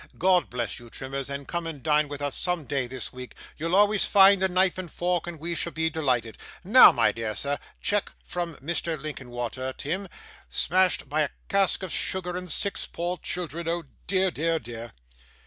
God bless you, Trimmers and come and dine with us some day this week; you'll always find a knife and fork, and we shall be delighted. Now, my dear sir cheque from Mr. Linkinwater, Tim. Smashed by a cask of sugar, and six poor children oh dear, dear, dear!